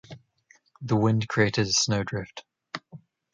The wind created a snowdrift.